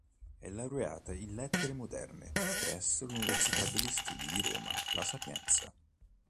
È laureata in Lettere Moderne presso l'Università degli Studi di Roma "La Sapienza".